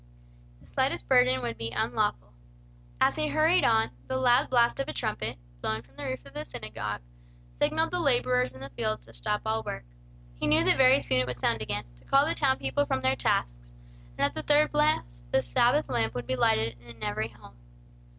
The slightest burden would be unlawful. As he hurried on, the loud blast of a trumpet, blown from the roof of the synagogue, signalled the laborers in the fields to stop all work. He knew that very soon it would sound again, to call the town people from their tasks; and at the third blast, the Sabbath lamp would be lighted in every home.